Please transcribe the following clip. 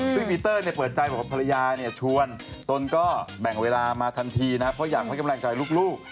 ซึ่งปีเตอร์เปิดใจบอกว่าภรรยาชวนตนก็แบ่งเวลามาทันทีนะครับเพราะอยากให้กำลังใจลูก